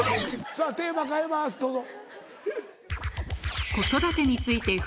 さぁテーマ変えますどうぞ。